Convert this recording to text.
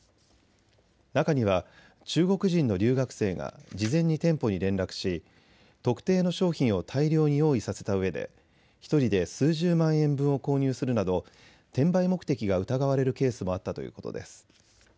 中には中国人の留学生が事前に店舗に連絡し特定の商品を大量に用意させたうえで１人で数十万円分を購入するなど転売目的が疑われるケースもあったということです。